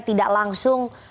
tidak langsung menurut anda